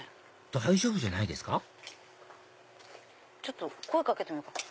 大丈夫じゃないですかちょっと声掛けてみよう。